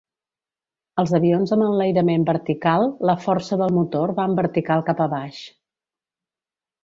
Als avions amb enlairament vertical la força del motor va en vertical cap a baix.